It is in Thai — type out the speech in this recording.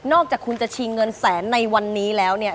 จากคุณจะชิงเงินแสนในวันนี้แล้วเนี่ย